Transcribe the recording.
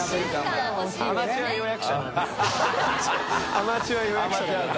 アマチュア予約者なんだ。